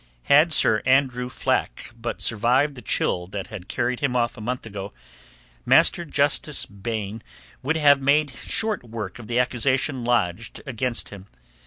Had Sir Andrew Flack but survived the chill that had carried him off a month ago, Master Justice Baine would have made short work of the accusation lodged against him.